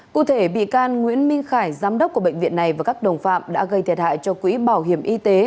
cụ thể bị can nguyễn minh khải giám đốc của bệnh viện này và các đồng phạm đã gây thiệt hại cho quỹ bảo hiểm y tế